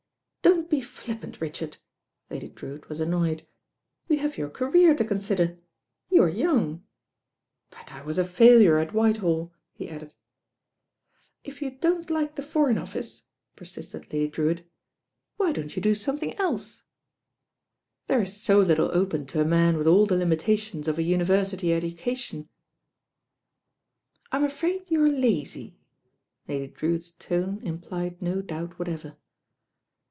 "Don't be flippant, Richard." Lady Drewitt was annoyed. "You have your career to consider. You are young." "But I was a failure at WhitehaU," he added. "If you don't like the Foreign Oflice," persisted Lady Drewitt, "why don't you do something else?" IM THE BAIN OIRL *The« is 80 little open to a man with all the limi tations of a university education." "rm afraid you're lazy." Lady Drewitt's tone implied no doubt whatever.